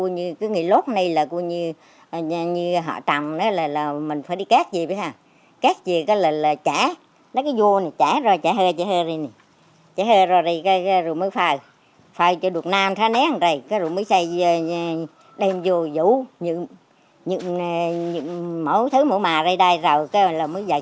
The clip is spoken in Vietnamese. người lốt này là như họ trầm mình phải đi két gì biết hả két gì là chả nó cứ vô này chả rồi chả hơi chả hơi đây này chả hơi rồi đây rồi mới phai phai cho được nam thá né rồi mới xây đem vô dụ những mẫu thứ mẫu mà đây đây rồi rồi mới vậy